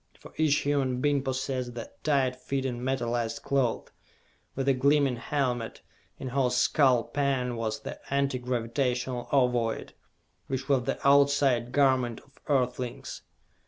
For each human being possessed the tight fitting metalized cloth, with the gleaming helmet in whose skull pan was the Anti Gravitational Ovoid, which was the "outside" garment of earthlings.